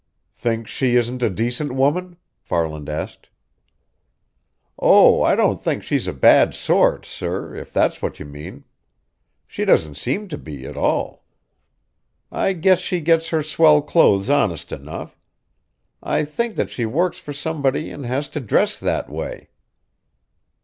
"Think she isn't a decent woman?" Farland asked. "Oh, I don't think she's a bad sort, sir, if that is what you mean. She doesn't seem to be, at all. I guess she gets her swell clothes honest enough. I think that she works for somebody and has to dress that way."